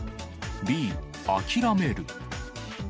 Ｂ、諦める！